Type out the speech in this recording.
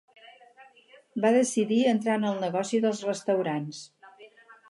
Va decidir entrar en el negoci dels restaurants.